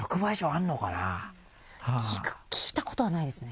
聞いたことはないですね